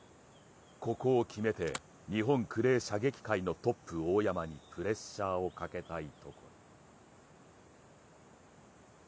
ここを決めて、日本クレー射撃界トップの大山にプレッシャーをかけたい。